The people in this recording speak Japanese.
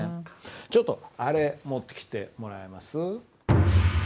ちょっとあれ持ってきてもらえます？